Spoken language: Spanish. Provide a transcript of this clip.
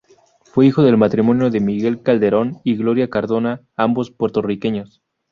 Fue hijo del matrimonio de Miguel Calderón y Gloria Cardona, ambos puertorriqueños.